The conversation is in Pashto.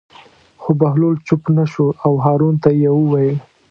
خو بهلول چوپ نه شو او هارون ته یې وویل.